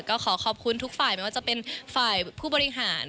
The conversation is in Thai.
ก็ขอขอบคุณทุกฝ่ายไม่ว่าจะเป็นฝ่ายผู้บริหาร